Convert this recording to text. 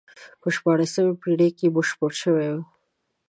په شپاړسمې پېړۍ کې بشپړ شوی وي.